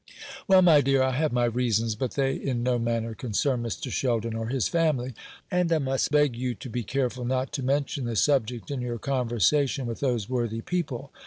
"Well, my dear, I have my reasons, but they in no manner concern Mr. Sheldon or his family; and I must beg you to be careful not to mention the subject in your conversation with those worthy people.